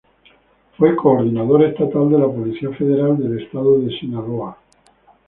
Fue Coordinador Estatal de la Policía Federal en el Estado de Sinaloa.